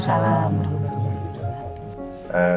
saya tadi diminta sama rija